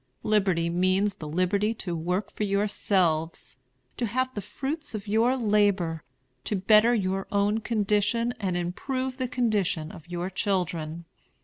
Liberty means the liberty to work for yourselves, to have the fruits of your labor, to better your own condition, and improve the condition of your children.